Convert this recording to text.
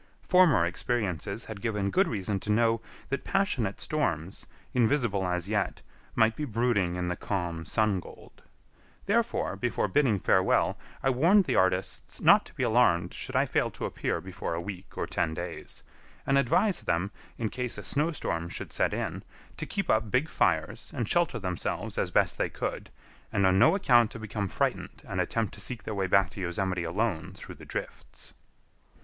Former experiences had given good reason to know that passionate storms, invisible as yet, might be brooding in the calm sun gold; therefore, before bidding farewell, I warned the artists not to be alarmed should I fail to appear before a week or ten days, and advised them, in case a snow storm should set in, to keep up big fires and shelter themselves as best they could, and on no account to become frightened and attempt to seek their way back to Yosemite alone through the drifts.